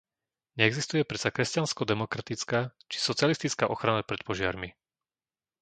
Neexistuje predsa kresťansko-demokratická či socialistická ochrana pred požiarmi!